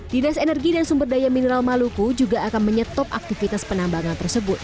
dinas energi dan sumber daya mineral maluku juga akan menyetop aktivitas penambangan tersebut